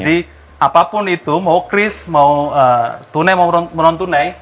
jadi apapun itu mau kris mau tunai mau non tunai